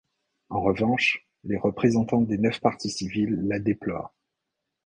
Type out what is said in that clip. En revanche les représentants des neuf parties civiles la déplorent.